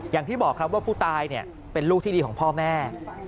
อย่างที่บอกครับว่าผู้ตายเป็นลูกที่ดีของพ่อแม่